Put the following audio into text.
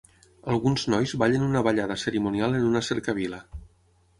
Alguns nois ballen una ballada cerimonial en una cercavila